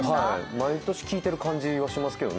毎年聞いている感じはしますね。